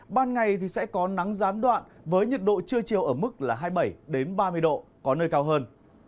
ban ngày sẽ có nắng gián đoạn với nhiệt độ chưa chiều ở mức hai mươi bảy ba mươi độ có nơi cao hơn